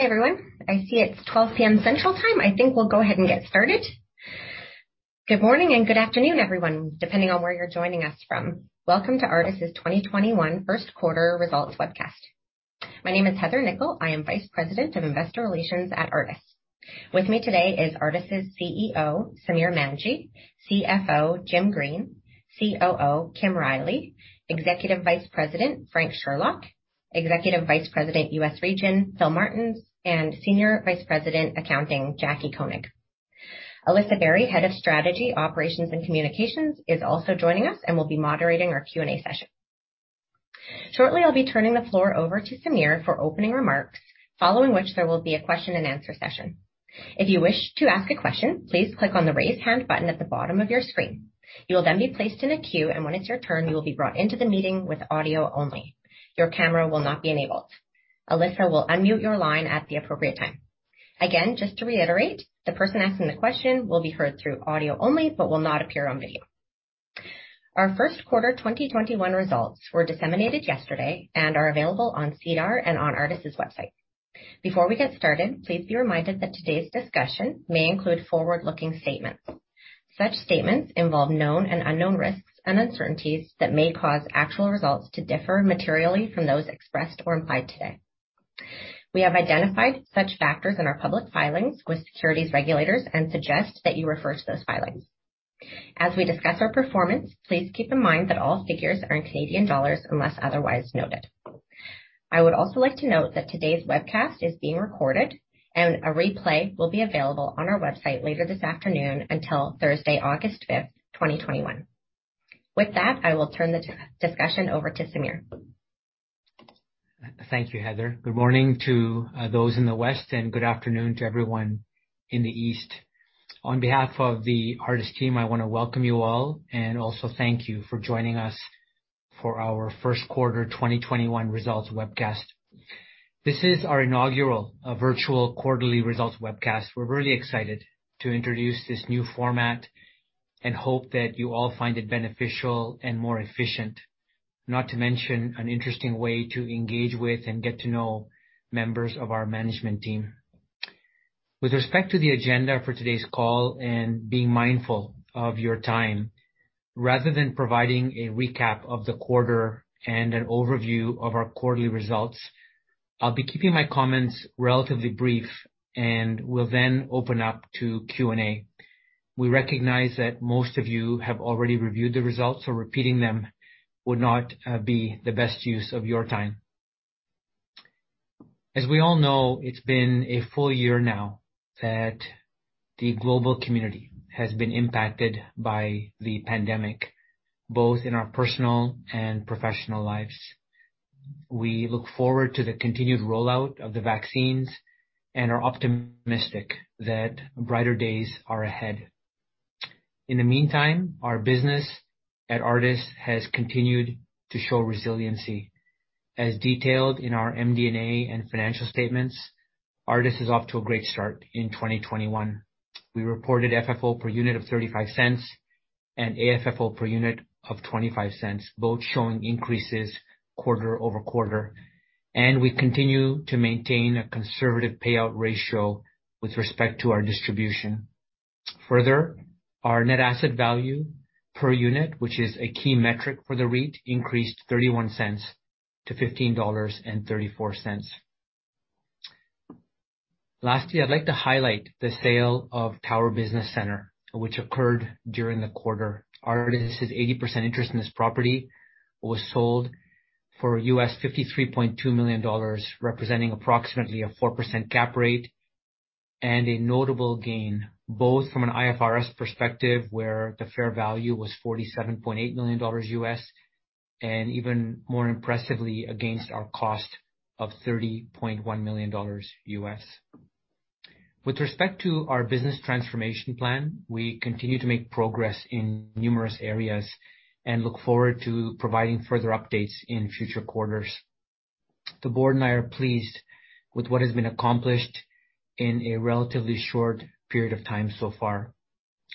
Everyone, I see it's 12:00 P.M. Central Time. I think we'll go ahead and get started. Good morning and good afternoon everyone, depending on where you're joining us from. Welcome to Artis' 2021 first quarter results webcast. My name is Heather Nikkel. I am Vice President of Investor Relations at Artis. With me today is Artis' CEO, Samir Manji, CFO, Jim Green, COO, Kim Riley, Executive Vice President, Frank Sherlock, Executive Vice President, U.S. Region, Phil Martens, and Senior Vice President Accounting, Jacqui Koenig. Alyssa Barry, Head of Strategy, Operations, and Communications is also joining us and will be moderating our Q&A session. Shortly, I'll be turning the floor over to Samir for opening remarks, following which there will be a question and answer session. If you wish to ask a question, please click on the raise hand button at the bottom of your screen. You will be placed in a queue, and when it's your turn, you will be brought into the meeting with audio only. Your camera will not be enabled. Alyssa will unmute your line at the appropriate time. Again, just to reiterate, the person asking the question will be heard through audio only, but will not appear on video. Our first quarter 2021 results were disseminated yesterday and are available on SEDAR and on Artis' website. Before we get started, please be reminded that today's discussion may include forward-looking statements. Such statements involve known and unknown risks and uncertainties that may cause actual results to differ materially from those expressed or implied today. We have identified such factors in our public filings with securities regulators and suggest that you refer to those filings. As we discuss our performance, please keep in mind that all figures are in Canadian dollars unless otherwise noted. I would also like to note that today's webcast is being recorded, and a replay will be available on our website later this afternoon until Thursday, August 5th, 2021. With that, I will turn the discussion over to Samir. Thank you, Heather. Good morning to those in the West, and good afternoon to everyone in the East. On behalf of the Artis team, I want to welcome you all and also thank you for joining us for our first quarter 2021 results webcast. This is our inaugural virtual quarterly results webcast. We're really excited to introduce this new format and hope that you all find it beneficial and more efficient, not to mention an interesting way to engage with and get to know members of our management team. With respect to the agenda for today's call and being mindful of your time, rather than providing a recap of the quarter and an overview of our quarterly results, I'll be keeping my comments relatively brief and will then open up to Q&A. We recognize that most of you have already reviewed the results, so repeating them would not be the best use of your time. As we all know, it's been a full-year now that the global community has been impacted by the pandemic, both in our personal and professional lives. We look forward to the continued rollout of the vaccines and are optimistic that brighter days are ahead. In the meantime, our business at Artis has continued to show resiliency. As detailed in our MD&A and financial statements, Artis is off to a great start in 2021. We reported FFO per unit of 0.35 and AFFO per unit of 0.25, both showing increases quarter-over-quarter. We continue to maintain a conservative payout ratio with respect to our distribution. Further, our net asset value per unit, which is a key metric for the REIT, increased 0.31 to 15.34 dollars. Lastly, I'd like to highlight the sale of Tower Business Center, which occurred during the quarter. Artis' 80% interest in this property was sold for U.S. $53.2 million, representing approximately a 4% cap rate and a notable gain, both from an IFRS perspective, where the fair value was $47.8 million U.S., and even more impressively against our cost of $30.1 million U.S. With respect to our business transformation plan, we continue to make progress in numerous areas and look forward to providing further updates in future quarters. The board and I are pleased with what has been accomplished in a relatively short period of time so far.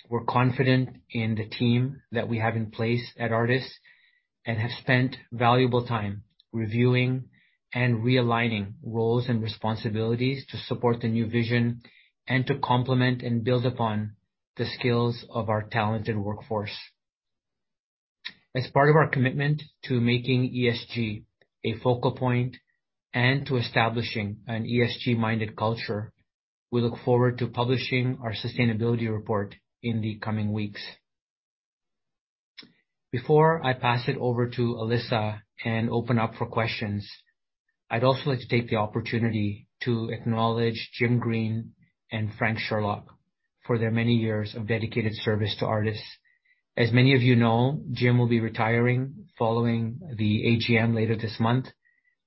We're confident in the team that we have in place at Artis and have spent valuable time reviewing and realigning roles and responsibilities to support the new vision and to complement and build upon the skills of our talented workforce. As part of our commitment to making ESG a focal point and to establishing an ESG-minded culture, we look forward to publishing our sustainability report in the coming weeks. Before I pass it over to Alyssa and open up for questions, I'd also like to take the opportunity to acknowledge Jim Green and Frank Sherlock for their many years of dedicated service to Artis. As many of you know, Jim will be retiring following the AGM later this month,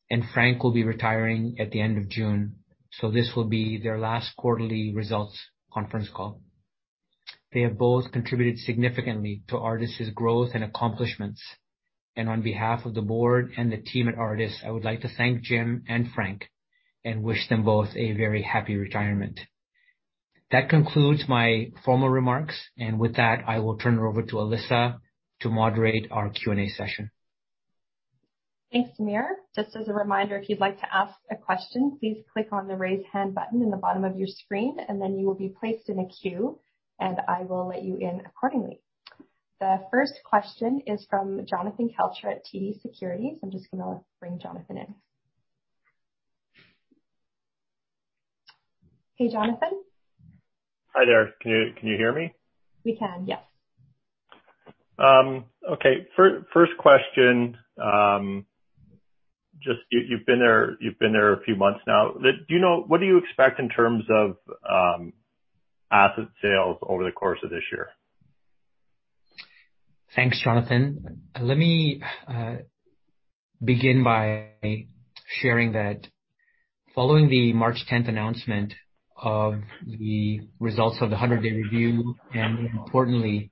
and Frank will be retiring at the end of June, so this will be their last quarterly results conference call. They have both contributed significantly to Artis' growth and accomplishments. On behalf of the board and the team at Artis, I would like to thank Jim and Frank and wish them both a very happy retirement. That concludes my formal remarks. With that, I will turn it over to Alyssa to moderate our Q&A session. Thanks, Samir. Just as a reminder, if you'd like to ask a question, please click on the raise hand button in the bottom of your screen, and then you will be placed in a queue, and I will let you in accordingly. The first question is from Jonathan Kelcher at TD Securities. I'm just going to bring Jonathan in. Hey, Jonathan. Hi there. Can you hear me? We can, yes. Okay. First question. You've been there a few months now. What do you expect in terms of asset sales over the course of this year? Thanks, Jonathan. Let me begin by sharing that following the March 10th announcement of the results of the 100-day review and, more importantly,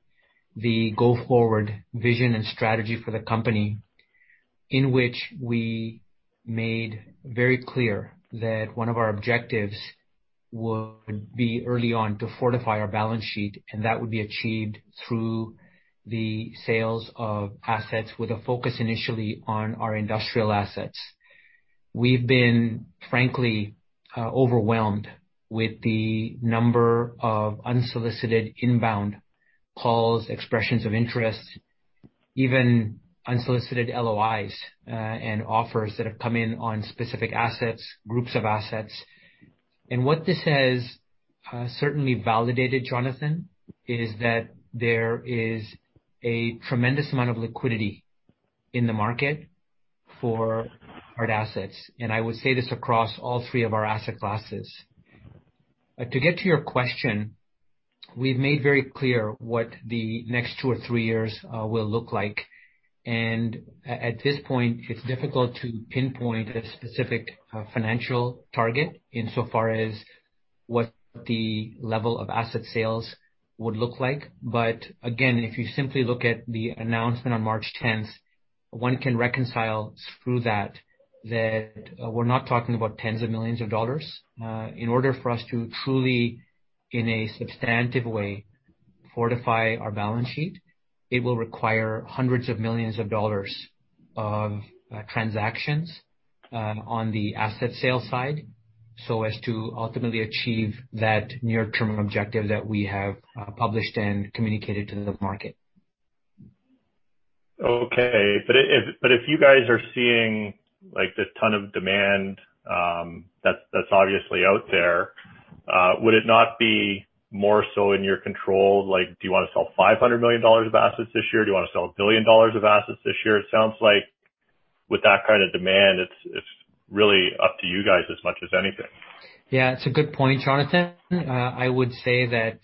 the go-forward vision and strategy for the company, in which we made very clear that one of our objectives would be early on to fortify our balance sheet, and that would be achieved through the sales of assets with a focus initially on our industrial assets. We've been, frankly, overwhelmed with the number of unsolicited inbound calls, expressions of interest, even unsolicited LOIs, and offers that have come in on specific assets, groups of assets. What this has certainly validated, Jonathan, is that there is a tremendous amount of liquidity in the market for hard assets. I would say this across all three of our asset classes. To get to your question, we've made very clear what the next two or three years will look like. At this point, it's difficult to pinpoint a specific financial target insofar as what the level of asset sales would look like. Again, if you simply look at the announcement on March 10th, one can reconcile through that we're not talking about tens of millions of dollars. In order for us to truly, in a substantive way, fortify our balance sheet, it will require hundreds of millions of dollars of transactions on the asset sales side, so as to ultimately achieve that near-term objective that we have published and communicated to the market. Okay. If you guys are seeing this ton of demand that's obviously out there, would it not be more so in your control? Do you want to sell 500 million dollars of assets this year? Do you want to sell 1 billion dollars of assets this year? It sounds like with that kind of demand, it's really up to you guys as much as anything. Yeah. It's a good point, Jonathan. I would say that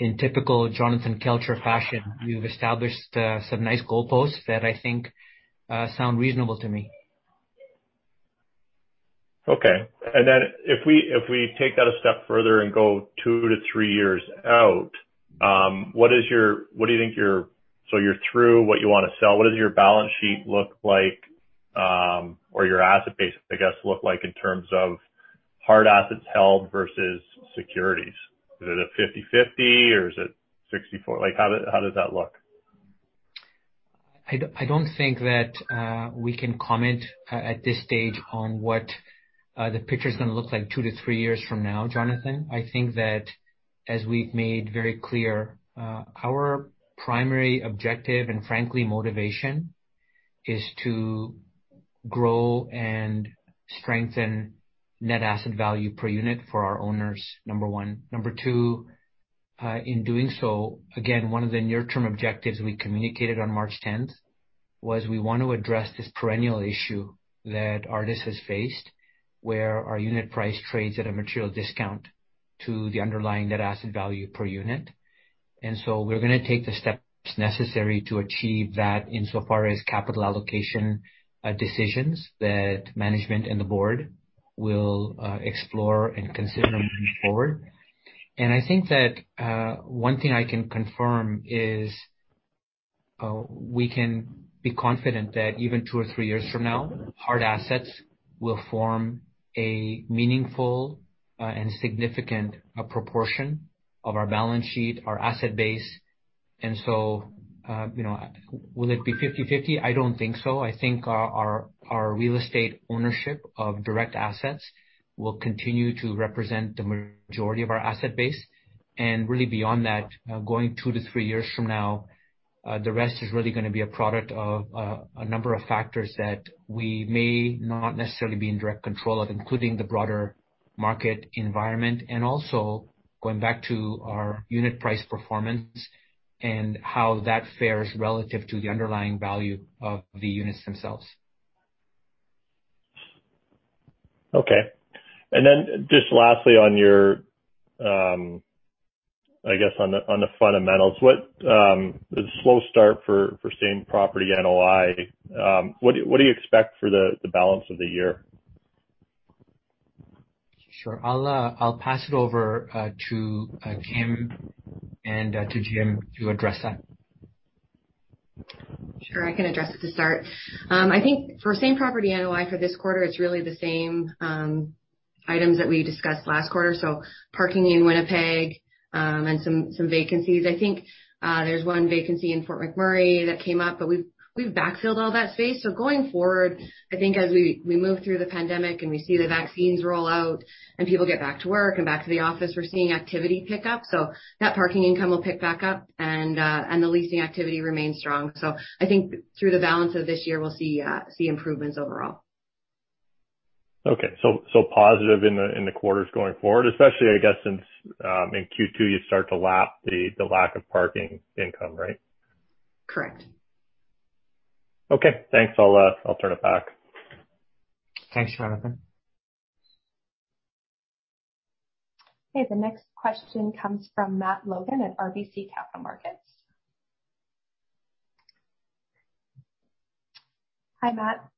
in typical Jonathan Kelcher fashion, you've established some nice goalposts that I think sound reasonable to me. Okay. If we take that a step further and go two to three years out, so you're through what you want to sell, what does your balance sheet look like, or your asset base, I guess, look like in terms of hard assets held versus securities? Is it a 50/50, or is it 64? How does that look? I don't think that we can comment at this stage on what the picture's going to look like two to three years from now, Jonathan. I think that as we've made very clear, our primary objective and frankly, motivation, is to grow and strengthen net asset value per unit for our owners, number one. Number two, in doing so, again, one of the near term objectives we communicated on March 10th was we want to address this perennial issue that Artis has faced, where our unit price trades at a material discount to the underlying net asset value per unit. So we're going to take the steps necessary to achieve that insofar as capital allocation decisions that management and the board will explore and consider moving forward. I think that one thing I can confirm is we can be confident that even two or three years from now, hard assets will form a meaningful and significant proportion of our balance sheet, our asset base. Will it be 50/50? I don't think so. I think our real estate ownership of direct assets will continue to represent the majority of our asset base. Really beyond that, going two to three years from now, the rest is really going to be a product of a number of factors that we may not necessarily be in direct control of, including the broader market environment, and also going back to our unit price performance and how that fares relative to the underlying value of the units themselves. Okay. Just lastly, I guess on the fundamentals, with the slow start for Same-Property NOI, what do you expect for the balance of the year? Sure. I'll pass it over to Kim and to Jim to address that. Sure. I can address it to start. I think for Same-Property NOI for this quarter, it's really the same Items that we discussed last quarter, parking in Winnipeg, and some vacancies. I think there's one vacancy in Fort McMurray that came up, but we've backfilled all that space. Going forward, I think as we move through the pandemic and we see the vaccines roll out and people get back to work and back to the office, we're seeing activity pick up. That parking income will pick back up and the leasing activity remains strong. I think through the balance of this year, we'll see improvements overall. Positive in the quarters going forward, especially, I guess, since in Q2 you start to lap the lack of parking income, right? Correct. Okay, thanks. I'll turn it back. Thanks, Jonathan. Okay, the next question comes from Matt Logan at RBC Capital Markets. Hi, Matt.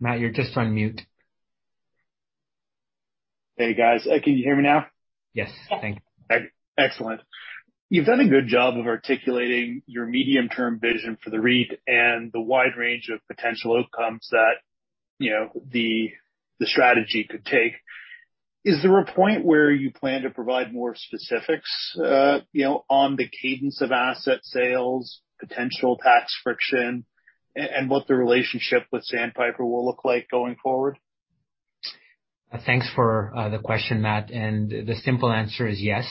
Matt, you're just on mute. Hey, guys. Can you hear me now? Yes, thank you. Excellent. You've done a good job of articulating your medium-term vision for the REIT and the wide range of potential outcomes that the strategy could take. Is there a point where you plan to provide more specifics on the cadence of asset sales, potential tax friction, and what the relationship with Sandpiper will look like going forward? Thanks for the question, Matt. The simple answer is yes.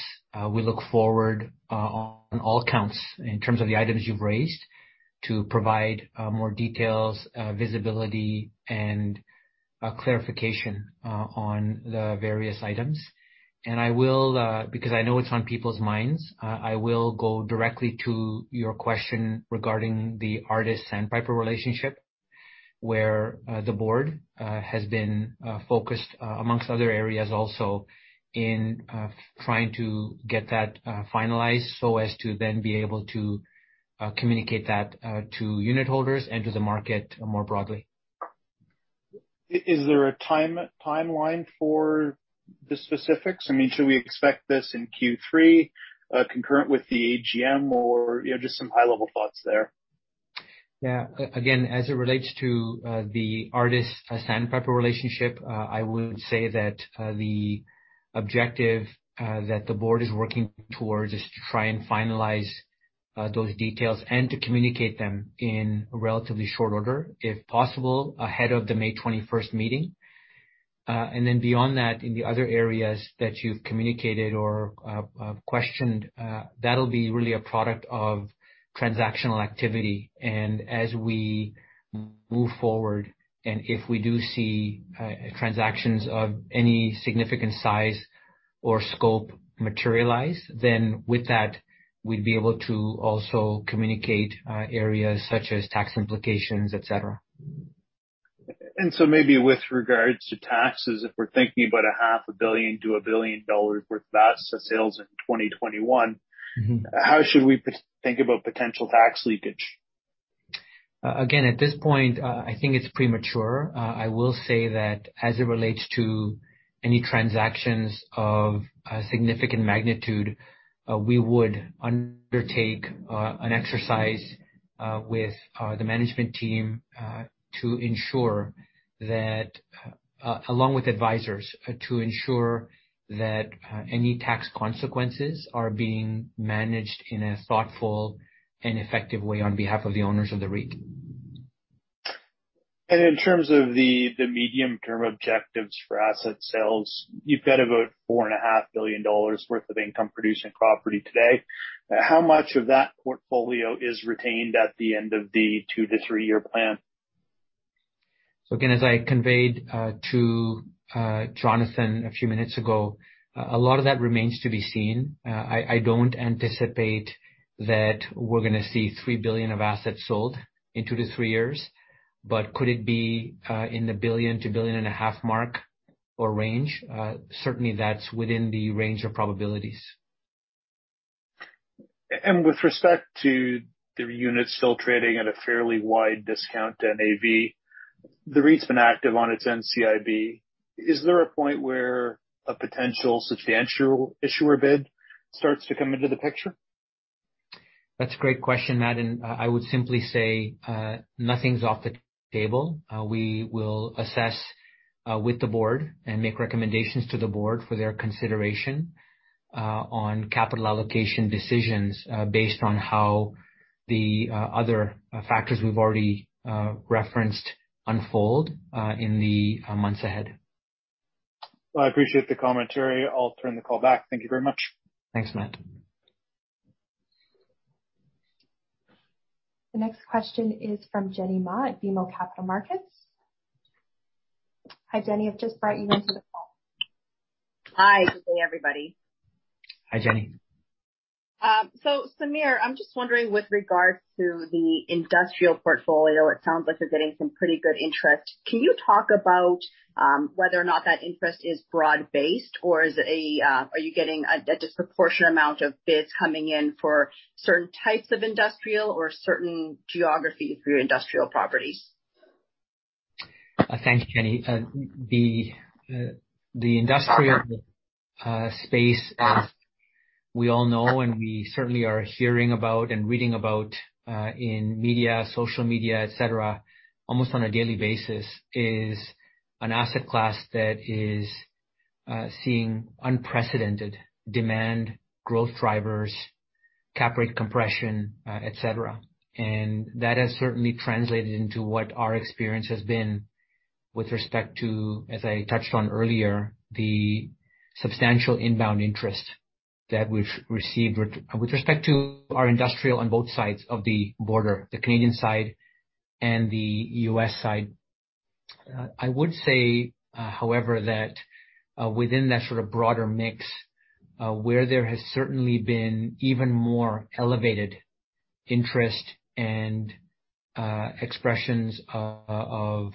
We look forward on all counts in terms of the items you've raised to provide more details, visibility, and clarification on the various items. I will because I know it's on people's minds. I will go directly to your question regarding the Artis-Sandpiper relationship, where the board has been focused amongst other areas also in trying to get that finalized so as to then be able to communicate that to unit holders and to the market more broadly. Is there a timeline for the specifics? Should we expect this in Q3 concurrent with the AGM or just some high-level thoughts there? As it relates to the Artis-Sandpiper relationship, I would say that the objective that the board is working towards is to try and finalize those details and to communicate them in relatively short order, if possible, ahead of the May 21st meeting. Beyond that, in the other areas that you've communicated or questioned that'll be really a product of transactional activity. As we move forward, and if we do see transactions of any significant size or scope materialize, with that, we'd be able to also communicate areas such as tax implications, et cetera. Maybe with regards to taxes, if we're thinking about half a billion to a billion worth of asset sales in 2021. How should we think about potential tax leakage? Again, at this point, I think it's premature. I will say that as it relates to any transactions of a significant magnitude, we would undertake an exercise with the management team to ensure that along with advisors, to ensure that any tax consequences are being managed in a thoughtful and effective way on behalf of the owners of the REIT. In terms of the medium-term objectives for asset sales, you've got about 4.5 billion dollars worth of income-producing property today. How much of that portfolio is retained at the end of the two-to-three-year plan? Again, as I conveyed to Jonathan a few minutes ago, a lot of that remains to be seen. I don't anticipate that we're going to see 3 billion of assets sold in two to three years. Could it be in a billion to billion and a half mark or range? Certainly, that's within the range of probabilities. With respect to the units still trading at a fairly wide discount to NAV, the REIT's been active on its NCIB. Is there a point where a potential substantial issuer bid starts to come into the picture? That's a great question, Matt, and I would simply say nothing's off the table. We will assess with the board and make recommendations to the board for their consideration on capital allocation decisions based on how the other factors we've already referenced unfold in the months ahead. I appreciate the commentary. I'll turn the call back. Thank you very much. Thanks, Matt. The next question is from Jenny Ma at BMO Capital Markets. Hi, Jenny. I've just brought you into the call. Hi. Good day, everybody. Hi, Jenny. Samir, I'm just wondering with regards to the industrial portfolio, it sounds like you're getting some pretty good interest. Can you talk about whether or not that interest is broad-based, or are you getting a disproportionate amount of bids coming in for certain types of industrial or certain geographies for your industrial properties? Thanks, Jenny. The industrial space, as we all know and we certainly are hearing about and reading about in media, social media, et cetera, almost on a daily basis, is an asset class that is seeing unprecedented demand, growth drivers, cap rate compression, et cetera. That has certainly translated into what our experience has been with respect to, as I touched on earlier, the substantial inbound interest that we've received with respect to our industrial on both sides of the border, the Canadian side and the U.S. side. I would say, however, that within that sort of broader mix, where there has certainly been even more elevated interest and expressions of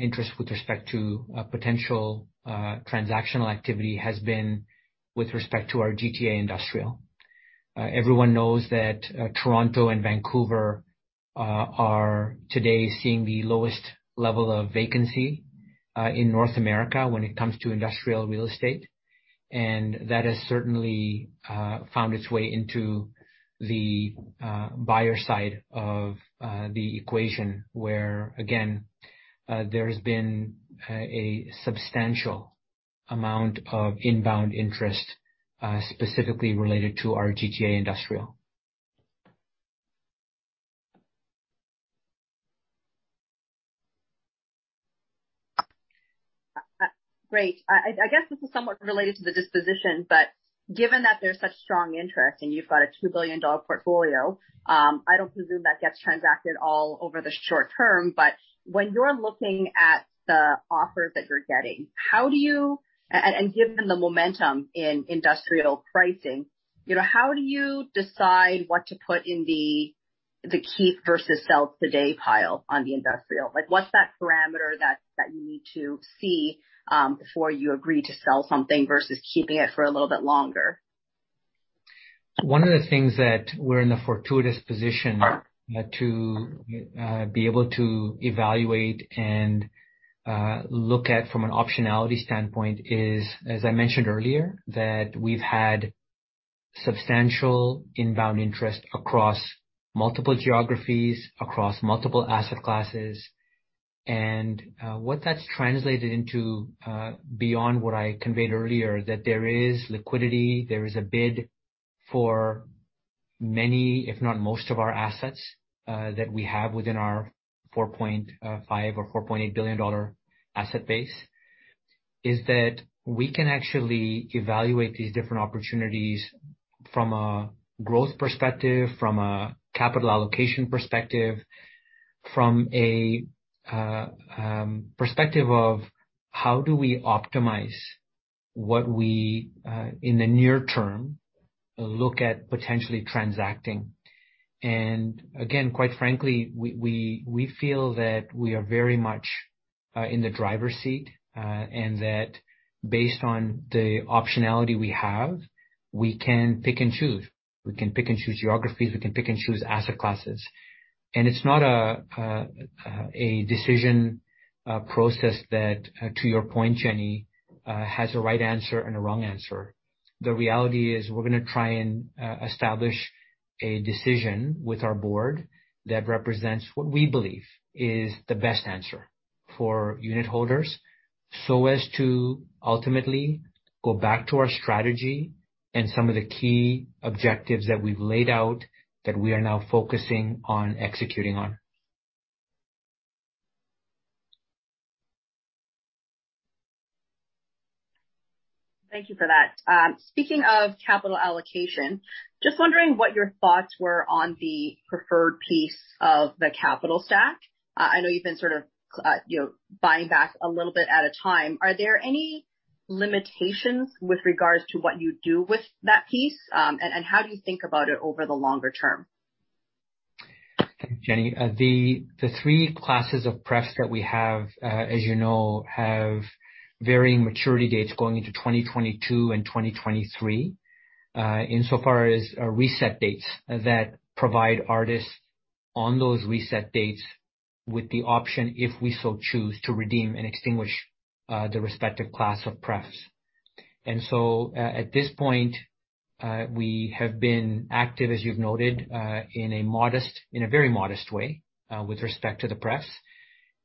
interest with respect to potential transactional activity has been with respect to our GTA industrial. Everyone knows that Toronto and Vancouver are today seeing the lowest level of vacancy, in North America when it comes to industrial real estate. That has certainly found its way into the buyer side of the equation, where again, there has been a substantial amount of inbound interest, specifically related to our GTA industrial. Great. I guess this is somewhat related to the disposition, but given that there's such strong interest and you've got a 2 billion dollar portfolio, I don't presume that gets transacted all over the short-term. When you're looking at the offers that you're getting, and given the momentum in industrial pricing, how do you decide what to put in the keep versus sell today pile on the industrial? What's that parameter that you need to see, before you agree to sell something versus keeping it for a little bit longer? One of the things that we're in the fortuitous position to be able to evaluate and look at from an optionality standpoint is, as I mentioned earlier, that we've had substantial inbound interest across multiple geographies, across multiple asset classes. What that's translated into, beyond what I conveyed earlier, that there is liquidity, there is a bid for many, if not most of our assets that we have within our 4.5 billion or 4.8 billion dollar asset base, is that we can actually evaluate these different opportunities from a growth perspective, from a capital allocation perspective, from a perspective of how do we optimize what we, in the near term, look at potentially transacting. Again, quite frankly, we feel that we are very much in the driver's seat, and that based on the optionality we have, we can pick and choose. We can pick and choose geographies, we can pick and choose asset classes. It's not a decision process that, to your point, Jenny, has a right answer and a wrong answer. The reality is we're going to try and establish a decision with our board that represents what we believe is the best answer for unit holders, so as to ultimately go back to our strategy and some of the key objectives that we've laid out that we are now focusing on executing on. Thank you for that. Speaking of capital allocation, just wondering what your thoughts were on the preferred piece of the capital stack. I know you've been sort of buying back a little bit at a time. Are there any limitations with regards to what you do with that piece? How do you think about it over the longer term? Jenny, the three classes of pref that we have, as you know, have varying maturity dates going into 2022 and 2023. Insofar as our reset dates that provide Artis on those reset dates with the option, if we so choose, to redeem and extinguish the respective class of prefs. At this point, we have been active, as you've noted, in a very modest way, with respect to the pref.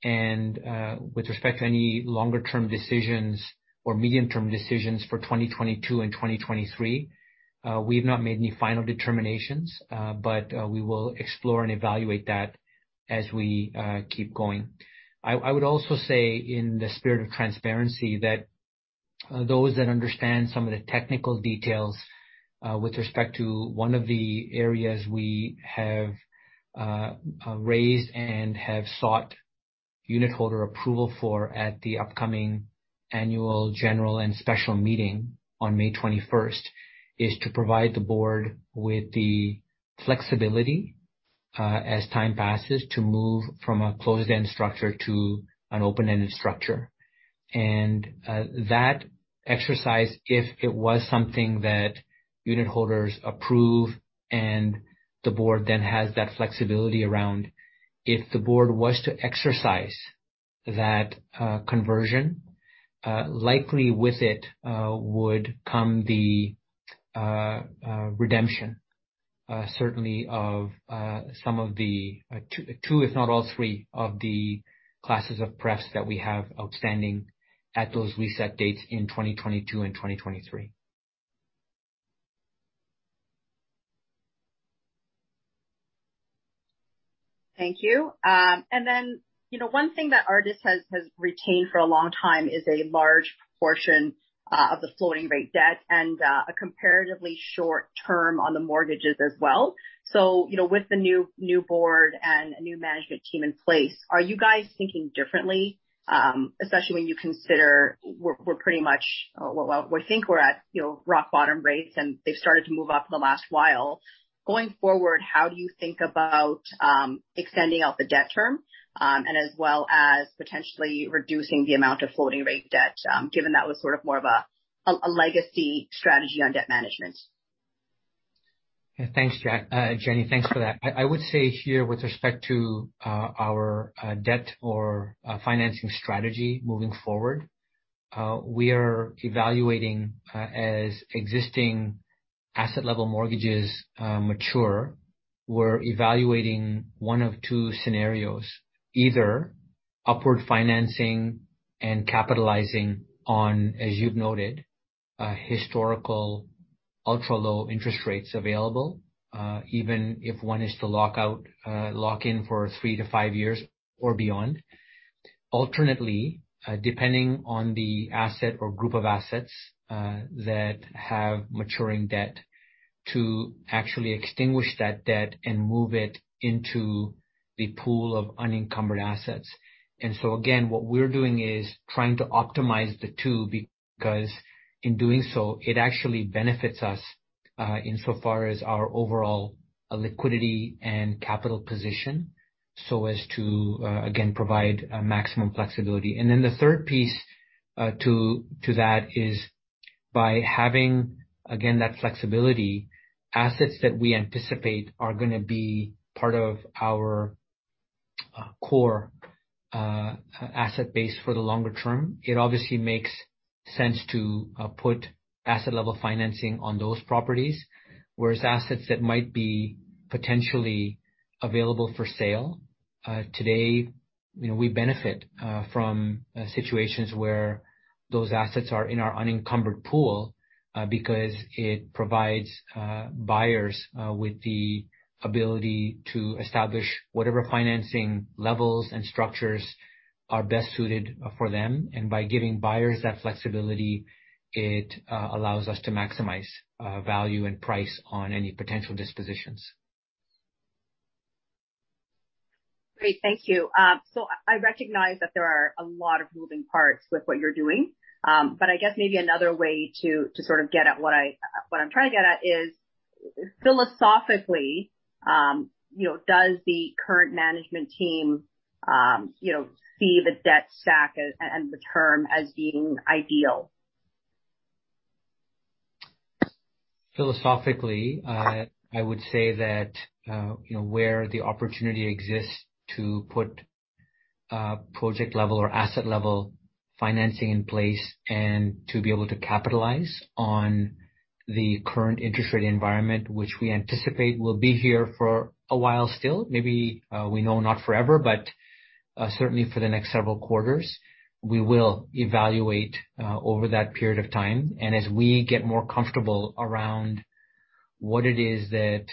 With respect to any longer term decisions or medium-term decisions for 2022 and 2023, we've not made any final determinations, but we will explore and evaluate that as we keep going. I would also say in the spirit of transparency, that those that understand some of the technical details, with respect to one of the areas we have raised and have sought unitholder approval for at the upcoming annual general and special meeting on May 21st, is to provide the board with the flexibility, as time passes, to move from a closed-end structure to an open-ended structure. That exercise if it was something that unitholders approve and the board then has that flexibility around. If the board was to exercise that conversion, likely with it would come the redemption, certainly of some of the two, if not all three, of the classes of pref that we have outstanding at those reset dates in 2022 and 2023. Thank you. One thing that Artis has retained for a long time is a large portion of the floating rate debt and a comparatively short term on the mortgages as well. With the new board and a new management team in place, are you guys thinking differently? Especially when you consider we're pretty much, well, we think we're at rock bottom rates, and they've started to move up in the last while. Going forward, how do you think about extending out the debt term, and as well as potentially reducing the amount of floating rate debt, given that was sort of more of a legacy strategy on debt management? Yeah. Thanks, Jenny. Thanks for that. I would say here with respect to our debt or financing strategy moving forward, we are evaluating as existing asset-level mortgages mature. We're evaluating one of two scenarios. Either upward financing and capitalizing on, as you've noted, historical ultra-low interest rates available, even if one is to lock in for three to five years or beyond. Alternately, depending on the asset or group of assets that have maturing debt to actually extinguish that debt and move it into the pool of unencumbered assets. Again, what we're doing is trying to optimize the two because in doing so, it actually benefits us insofar as our overall liquidity and capital position so as to, again, provide maximum flexibility. The third piece to that is by having, again, that flexibility, assets that we anticipate are going to be part of our core asset base for the longer term. It obviously makes sense to put asset-level financing on those properties, whereas assets that might be potentially available for sale. Today, we benefit from situations where those assets are in our unencumbered pool because it provides buyers with the ability to establish whatever financing levels and structures are best suited for them. By giving buyers that flexibility, it allows us to maximize value and price on any potential dispositions. Great. Thank you. I recognize that there are a lot of moving parts with what you're doing. I guess maybe another way to sort of get at what I'm trying to get at is, philosophically, does the current management team see the debt stack and the term as being ideal? Philosophically, I would say that where the opportunity exists to put project-level or asset-level financing in place and to be able to capitalize on the current interest rate environment, which we anticipate will be here for a while still, maybe we know not forever, but certainly for the next several quarters. We will evaluate over that period of time, and as we get more comfortable around what it is that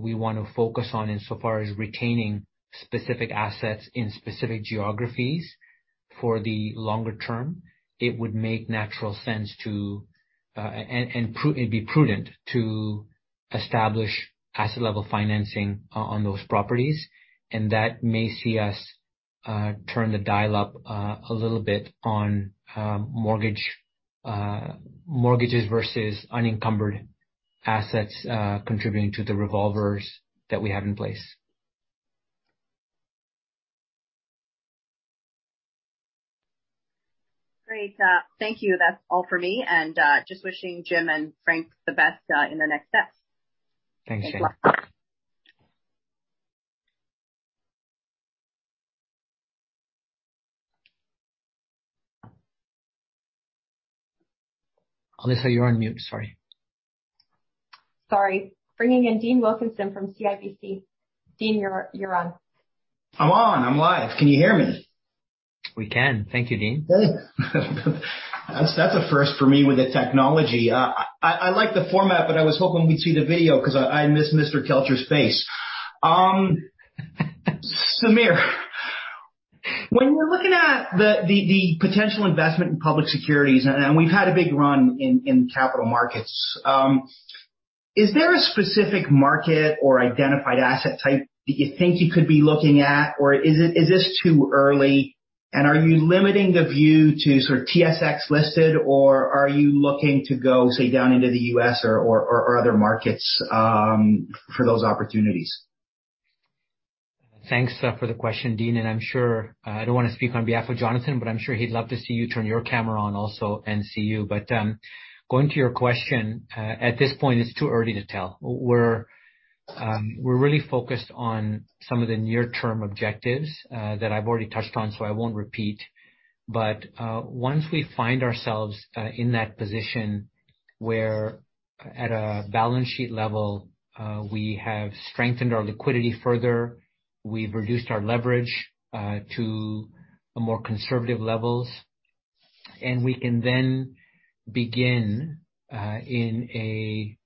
we want to focus on insofar as retaining specific assets in specific geographies for the longer term. It would make natural sense to, and be prudent to establish asset-level financing on those properties. That may see us turn the dial up a little bit on mortgages versus unencumbered assets, contributing to the revolvers that we have in place. Great. Thank you. That's all for me. Just wishing Jim and Frank the best in the next step. Thanks, Jenny. Good luck. Alyssa, you're on mute. Sorry. Sorry. Bringing in Dean Wilkinson from CIBC. Dean, you're on. I'm on. I'm live. Can you hear me? We can. Thank you, Dean. Good. That's a first for me with the technology. I like the format, but I was hoping we'd see the video because I miss Mr. Kelcher's face. Samir, when we're looking at the potential investment in public securities, and we've had a big run in capital markets. Is there a specific market or identified asset type that you think you could be looking at, or is this too early? Are you limiting the view to sort of TSX listed, or are you looking to go, say, down into the U.S. or other markets for those opportunities? Thanks for the question, Dean, and I don't want to speak on behalf of Jonathan, but I'm sure he'd love to see you turn your camera on also and see you. Going to your question, at this point, it's too early to tell. We're really focused on some of the near-term objectives, that I've already touched on, so I won't repeat. Once we find ourselves in that position, where at a balance sheet level, we have strengthened our liquidity further, we've reduced our leverage to more conservative levels, and we can then begin in a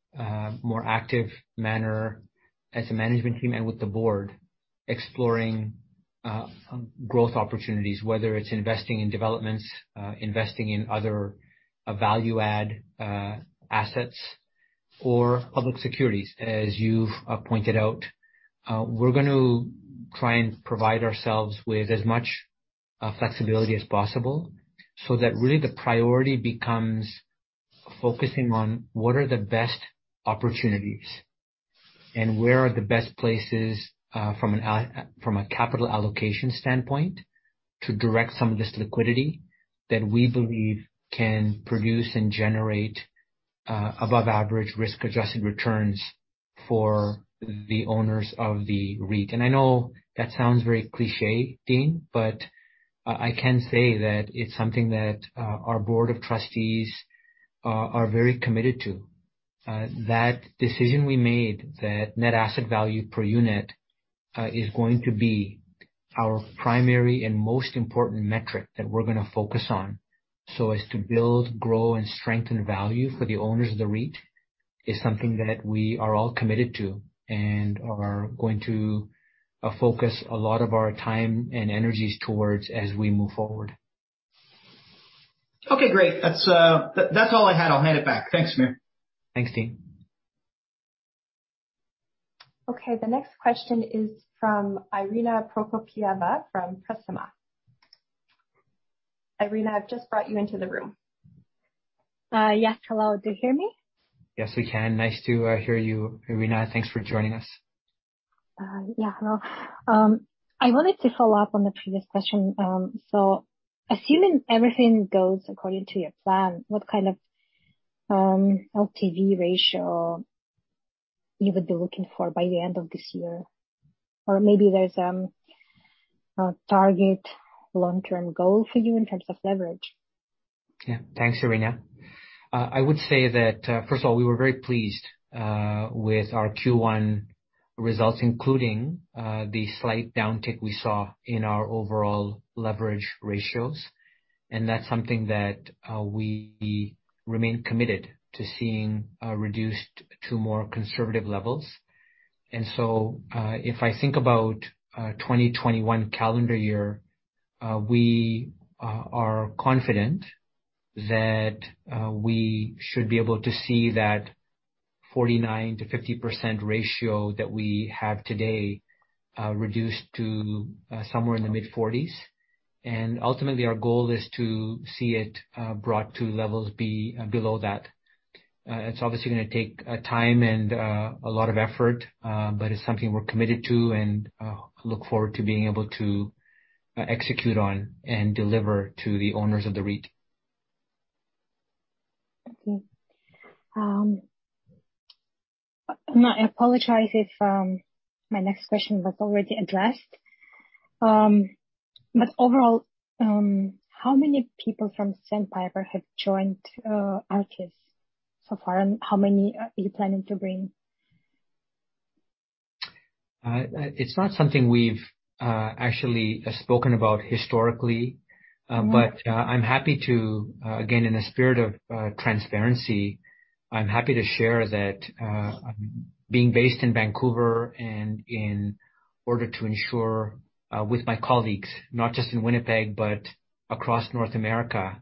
more active manner as a management team and with the board, exploring growth opportunities, whether it's investing in developments, investing in other value-add assets or public securities, as you've pointed out. We're going to try and provide ourselves with as much flexibility as possible so that really the priority becomes focusing on what are the best opportunities and where are the best places from a capital allocation standpoint to direct some of this liquidity that we believe can produce and generate above-average risk-adjusted returns for the owners of the REIT. I know that sounds very cliche, Dean, but I can say that it's something that our board of trustees are very committed to. That decision we made that net asset value per unit is going to be our primary and most important metric that we're going to focus on so as to build, grow, and strengthen value for the owners of the REIT is something that we are all committed to and are going to focus a lot of our time and energies towards as we move forward. Okay, great. That's all I had. I'll hand it back. Thanks, Samir. Thanks, Dean. Okay, the next question is from Irina Prokopyeva from Presima. Irina, I've just brought you into the room. Yes. Hello. Do you hear me? Yes, we can. Nice to hear you, Irina. Thanks for joining us. Yeah. Hello. I wanted to follow up on the previous question. Assuming everything goes according to your plan, what kind of LTV ratio you would be looking for by the end of this year? Or maybe there's a target long-term goal for you in terms of leverage? Thanks, Irina. I would say that, first of all, we were very pleased with our Q1 results, including the slight downtick we saw in our overall leverage ratios. That's something that we remain committed to seeing reduced to more conservative levels. If I think about 2021 calendar year, we are confident that we should be able to see that 49%-50% ratio that we have today reduced to somewhere in the mid-40s. Ultimately, our goal is to see it brought to levels below that. It's obviously going to take time and a lot of effort, but it's something we're committed to and look forward to being able to execute on and deliver to the owners of the REIT. Okay. I apologize if my next question was already addressed. Overall, how many people from Sandpiper have joined Artis so far, and how many are you planning to bring? It's not something we've actually spoken about historically. Again, in the spirit of transparency, I'm happy to share that being based in Vancouver and in order to ensure, with my colleagues, not just in Winnipeg, but across North America,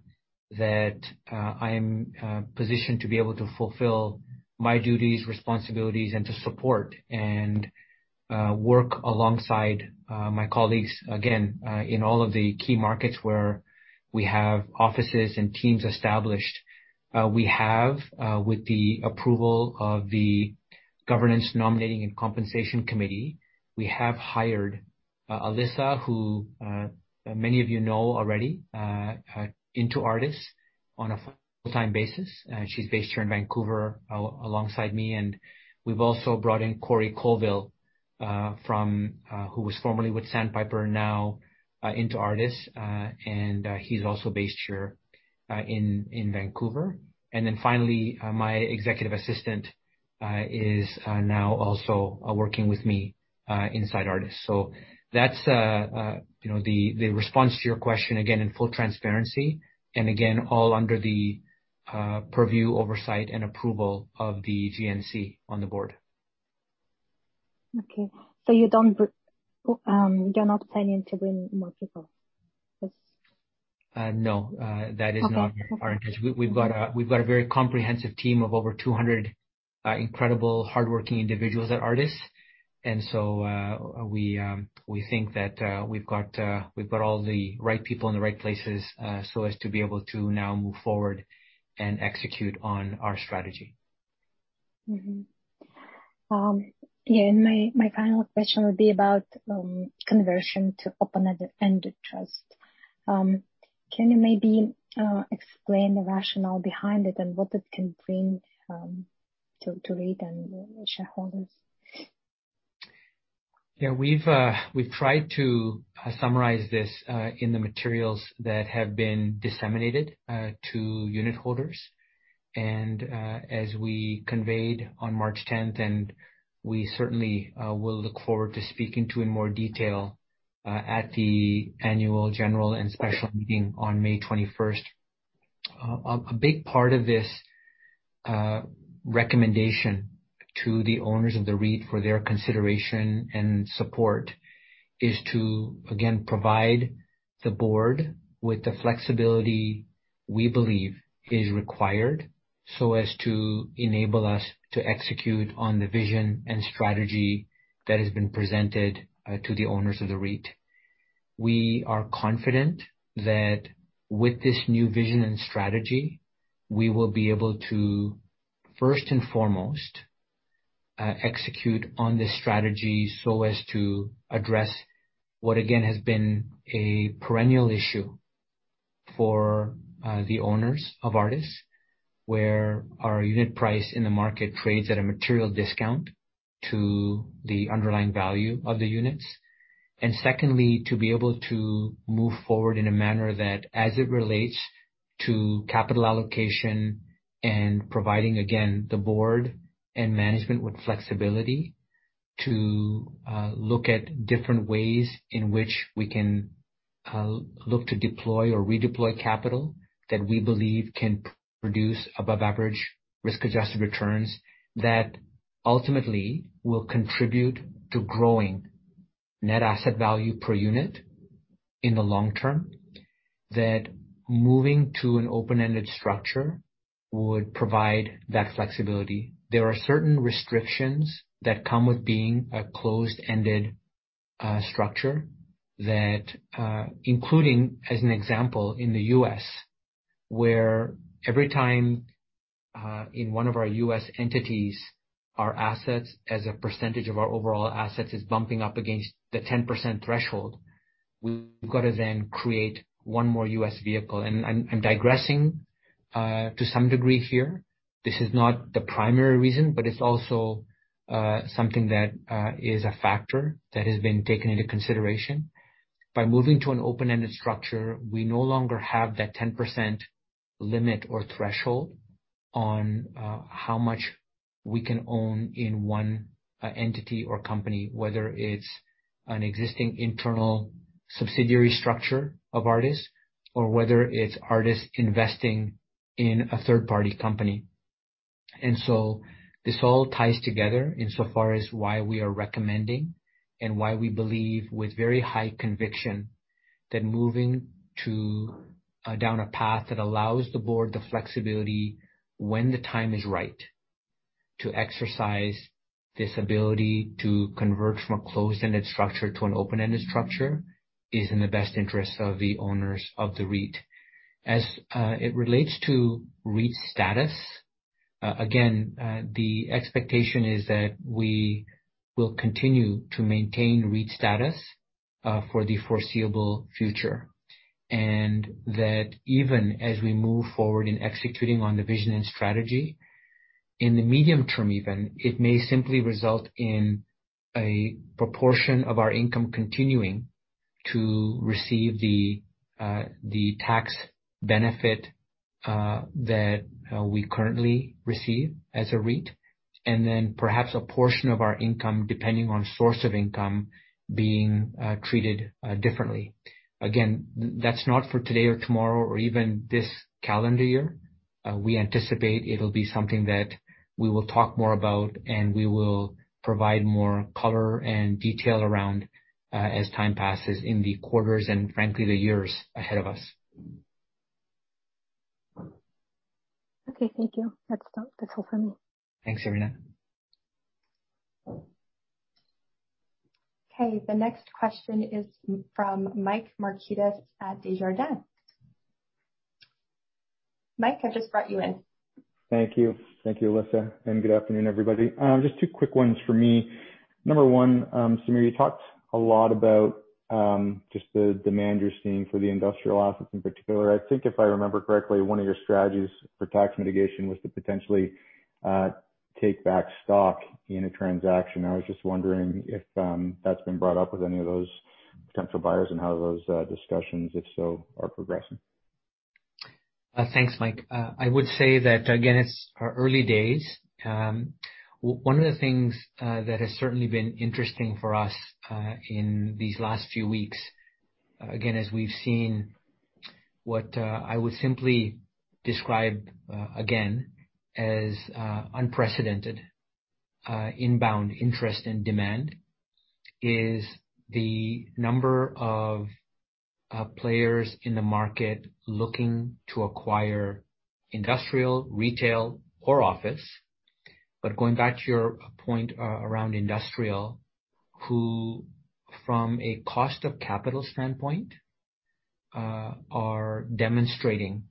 that I am positioned to be able to fulfill my duties, responsibilities, and to support and work alongside my colleagues again, in all of the key markets where we have offices and teams established. With the approval of the Governance, Nominating and Compensation Committee, we have hired Alyssa, who many of you know already, into Artis on a full-time basis. She's based here in Vancouver alongside me. We've also brought in Corey Colville, who was formerly with Sandpiper, now into Artis. He's also based here in Vancouver. Finally, my executive assistant is now also working with me inside Artis. That's the response to your question, again, in full transparency, and again, all under the purview, oversight, and approval of the GNC on the board. Okay. you're not planning to bring more people? No. That is not our intention. Okay. We've got a very comprehensive team of over 200 incredible hardworking individuals at Artis. We think that we've got all the right people in the right places, so as to be able to now move forward and execute on our strategy. Mm-hmm. Yeah. My final question would be about conversion to open-ended trust. Can you maybe explain the rationale behind it and what it can bring to REIT and shareholders? Yeah. We've tried to summarize this in the materials that have been disseminated to unit holders. As we conveyed on March 10th, and we certainly will look forward to speaking to in more detail at the Annual General and Special Meeting on May 21st. A big part of this recommendation to the owners of the REIT for their consideration and support is to, again, provide the board with the flexibility we believe is required so as to enable us to execute on the vision and strategy that has been presented to the owners of the REIT. We are confident that with this new vision and strategy, we will be able to, first and foremost, execute on this strategy so as to address what, again, has been a perennial issue for the owners of Artis, where our unit price in the market trades at a material discount to the underlying value of the units. Secondly, to be able to move forward in a manner that, as it relates to capital allocation and providing, again, the board and management with flexibility to look at different ways in which we can look to deploy or redeploy capital that we believe can produce above average risk-adjusted returns that ultimately will contribute to growing net asset value per unit in the long-term, that moving to an open-ended structure would provide that flexibility. There are certain restrictions that come with being a closed-ended structure that including, as an example, in the U.S., where every time in one of our U.S. entities, our assets as a percentage of our overall assets is bumping up against the 10% threshold. We've got to then create one more U.S. vehicle. I'm digressing to some degree here. This is not the primary reason, it's also something that is a factor that has been taken into consideration. By moving to an open-ended structure, we no longer have that 10% limit or threshold on how much we can own in one entity or company, whether it's an existing internal subsidiary structure of Artis or whether it's Artis investing in a third party company. This all ties together insofar as why we are recommending and why we believe with very high conviction that moving down a path that allows the board the flexibility when the time is right to exercise this ability to convert from a closed-ended structure to an open-ended structure is in the best interest of the owners of the REIT. As it relates to REIT status, again, the expectation is that we will continue to maintain REIT status for the foreseeable future. That even as we move forward in executing on the vision and strategy, in the medium-term even, it may simply result in a proportion of our income continuing to receive the tax benefit that we currently receive as a REIT. Perhaps a portion of our income, depending on source of income, being treated differently. That's not for today or tomorrow or even this calendar year. We anticipate it'll be something that we will talk more about, and we will provide more color and detail around as time passes in the quarters and frankly, the years ahead of us. Okay. Thank you. That's all for me. Thanks, Irina. Okay. The next question is from Mike Markidis at Desjardins. Mike, I just brought you in. Thank you. Thank you, Alyssa, and good afternoon, everybody. Just two quick ones for me. Number one, Samir, you talked a lot about just the demand you're seeing for the industrial assets in particular. I think if I remember correctly, one of your strategies for tax mitigation was to potentially take back stock in a transaction. I was just wondering if that's been brought up with any of those potential buyers and how those discussions, if so, are progressing. Thanks, Mike. I would say that again, it's early days. One of the things that has certainly been interesting for us in these last few weeks, again, as we've seen what I would simply describe, again, as unprecedented inbound interest and demand is the number of players in the market looking to acquire industrial, retail or office. Going back to your point around industrial, who from a cost of capital standpoint are demonstrating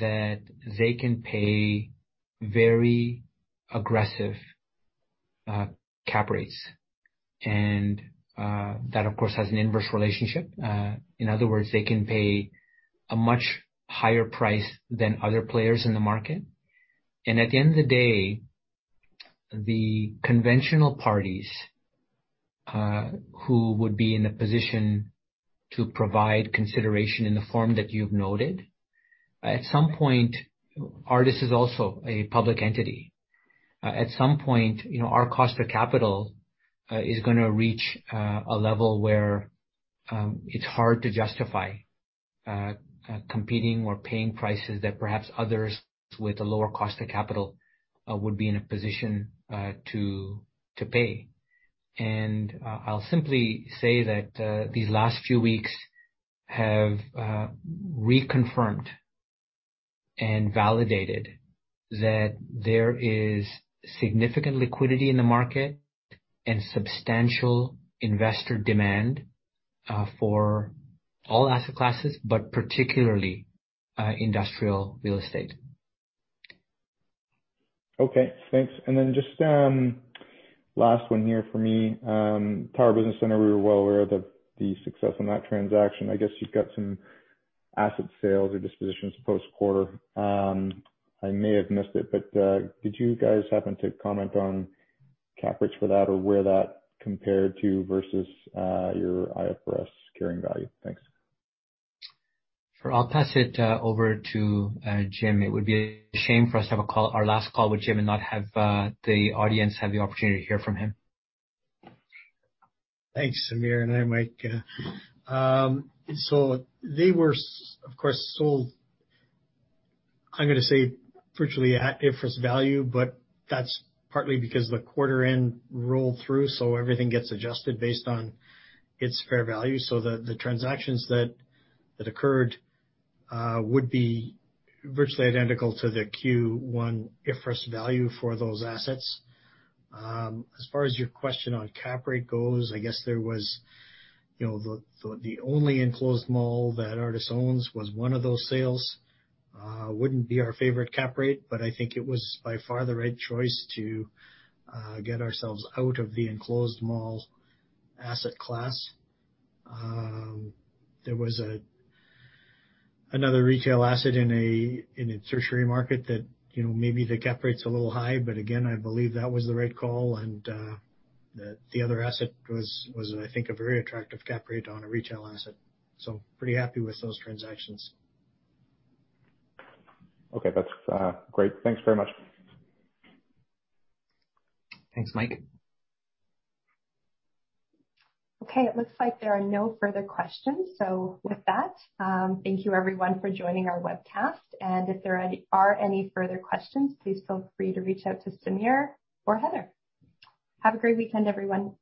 that they can pay very aggressive cap rates. That, of course, has an inverse relationship. In other words, they can pay a much higher price than other players in the market. At the end of the day, the conventional parties who would be in a position to provide consideration in the form that you've noted, at some point, Artis is also a public entity. At some point, our cost of capital is going to reach a level where it's hard to justify competing or paying prices that perhaps others with a lower cost of capital would be in a position to pay. I'll simply say that these last few weeks have reconfirmed and validated that there is significant liquidity in the market and substantial investor demand for all asset classes, but particularly industrial real estate. Okay, thanks. Just last one here for me. Tower Business Center, we were well aware of the success on that transaction. I guess you've got some asset sales or dispositions post-quarter. I may have missed it, did you guys happen to comment on cap rates for that or where that compared to versus your IFRS carrying value? Thanks. Sure. I'll pass it over to Jim. It would be a shame for us to have our last call with Jim and not have the audience have the opportunity to hear from him. Thanks, Samir, and hi, Mike. They were, of course, sold, I'm going to say virtually at IFRS value, but that's partly because the quarter end rolled through, so everything gets adjusted based on its fair value. The transactions that occurred would be virtually identical to the Q1 IFRS value for those assets. As far as your question on cap rate goes, I guess there was the only enclosed mall that Artis owns was one of those sales. Wouldn't be our favorite cap rate, but I think it was by far the right choice to get ourselves out of the enclosed mall asset class. There was another retail asset in a tertiary market that maybe the cap rate's a little high, but again, I believe that was the right call, and the other asset was, I think, a very attractive cap rate on a retail asset. Pretty happy with those transactions. Okay. That's great. Thanks very much. Thanks, Mike. Okay, it looks like there are no further questions. With that, thank you everyone for joining our webcast. If there are any further questions, please feel free to reach out to Samir or Heather. Have a great weekend, everyone.